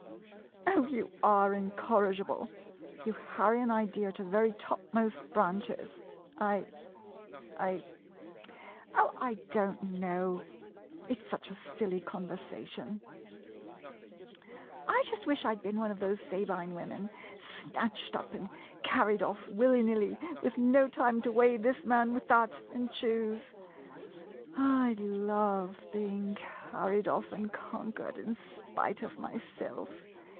Oh, you are incorri gible. You harry an idea to the very top most branches — I — I — Oh, I don't know. It ? s such a silly conversation ! [Desper ately.] I just wish I 'd been one of those Sabine women — snatched up and carried off willy nilly, with no time to weigh this man with that — and choose. I 'd love being car ried off and conquered in spite of myself.